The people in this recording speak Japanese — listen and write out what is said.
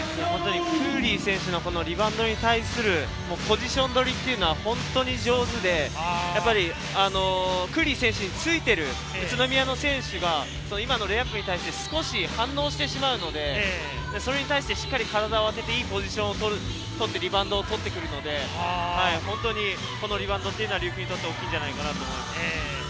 クーリー選手のリバウンドに対するポジション取りは本当に上手で、クーリー選手についている宇都宮の選手が今のレイアップに対して、少し反応してしまうので、それに対して体を合わせていいポジションを取って、リバウンドを取ってくるので、このリバウンドは琉球にとっては大きいんじゃないかなと思います。